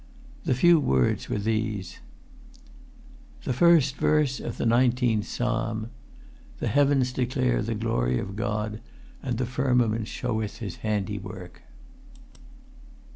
The few words were these:— "The first verse of the nineteenth psalm: "The heavens declare the glory of God; and the firmament sheweth his handywork.